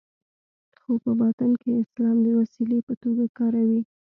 خو په باطن کې اسلام د وسیلې په توګه کاروي.